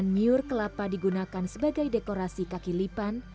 anjaman menyur kelapa digunakan sebagai dekorasi kaki lipan